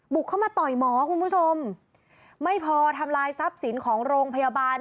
เข้ามาต่อยหมอคุณผู้ชมไม่พอทำลายทรัพย์สินของโรงพยาบาล